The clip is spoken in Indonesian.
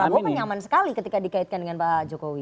tapi pak prabowo menyaman sekali ketika dikaitkan dengan pak jokowi